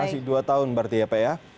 masih dua tahun berarti ya pak ya